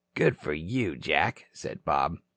"Good for you, Jack," said Bob.